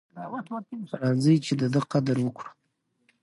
راځئ چې د ده قدر وکړو.